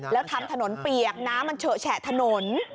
แล้วทำถนนเปียกน้ำมันเฉอะแฉะถนน